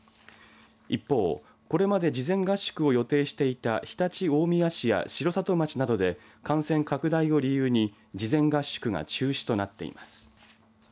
一方、これまで事前合宿を予定していた常陸大宮市や城里町などで感染拡大を理由に事前合宿が中止となっています。